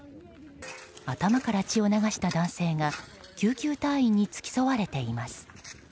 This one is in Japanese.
頭から血を流した男性が救急隊員に付き添われています。